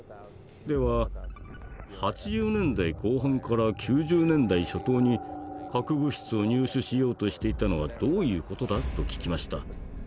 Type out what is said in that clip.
「では８０年代後半から９０年代初頭に核物質を入手しようとしていたのはどういう事だ？」と聞きました。